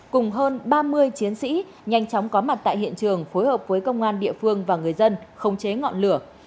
cùng hơn ba mươi chiến sĩ nhanh chóng có mặt tại hiện trường phối hợp với công an địa phương và người dân khống chế ngọn lửa